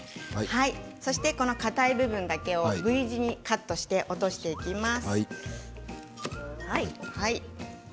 そして硬い部分だけをＶ字にカットして落としていきます。